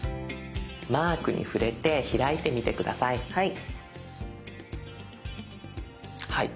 マークに触れて開いてみて下さい。